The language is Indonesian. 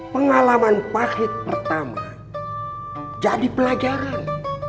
pengalaman pahit pertama jadi pelajaran